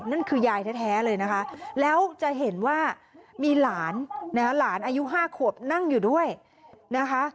นั่นคือยายแท้เลยนะคะแล้วจะเห็นว่ามีหลานนะคะหลานอายุ๕ขวบนั่งอยู่ด้วยนะคะ